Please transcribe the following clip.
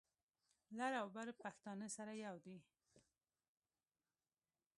لر او بر پښتانه سره یو دي.